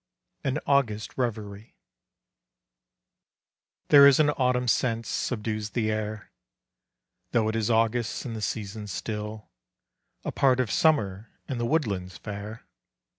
An August Reverie There is an autumn sense subdues the air, Though it is August and the season still A part of summer, and the woodlands fair.